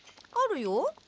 あるよ。